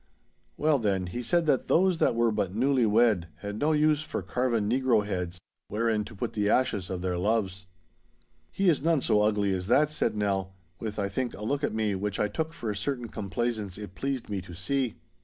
'Well, then, he said that those that were but newly wed had no use for carven negro heads, wherein to put the ashes of their loves.' 'He is none so ugly as that!' said Nell—with, I think, a look at me which I took for a certain complaisance it pleased me to see.